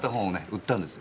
売ったんです。